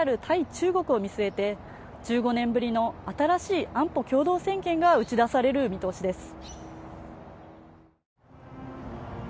中国を見据えて１５年ぶりの新しい安保共同宣言が打ち出される見通しです